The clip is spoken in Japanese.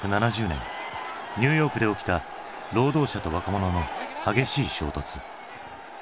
１９７０年ニューヨークで起きた労働者と若者の激しい衝突。